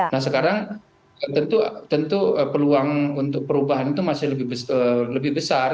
nah sekarang tentu peluang untuk perubahan itu masih lebih besar